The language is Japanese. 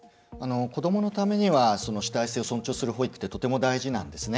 子どものためには主体性を尊重する保育ってとても大事なんですね。